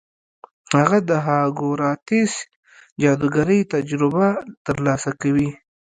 هغه د هاګوارتس جادوګرۍ تجربه ترلاسه کوي.